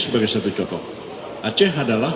sebagai satu contoh aceh adalah